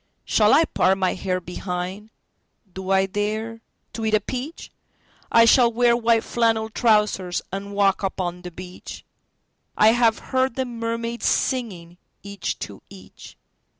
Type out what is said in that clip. Shall I part my hair behind? Do I dare to eat a peach?I shall wear white flannel trousers, and walk upon the beach.I have heard the mermaids singing, each to each.